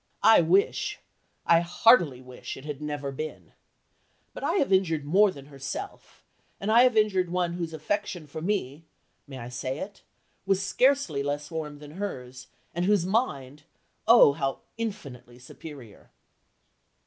I wish I heartily wish it had never been. But I have injured more than herself; and I have injured one whose affection for me (may I say it?) was scarcely less warm than hers, and whose mind oh! how infinitely superior."